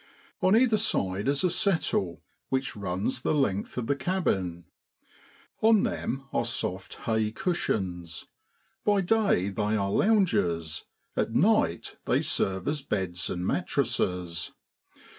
On either side is a settle, which runs the length of the cabin : on them are soft hay cushions; by day they are lounges, at night they serve as beds and mattresses.